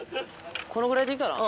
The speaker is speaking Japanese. このぐらいでいいかな？